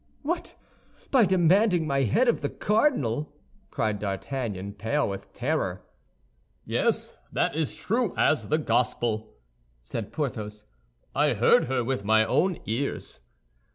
"What! by demanding my head of the cardinal?" cried D'Artagnan, pale with terror. "Yes, that is true as the Gospel," said Porthos; "I heard her with my own ears."